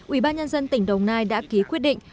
ubnd tỉnh đồng nai đã ký quyết định